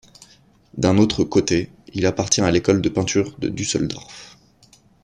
D'un autre côté, il appartient à l'École de peinture de Düsseldorf.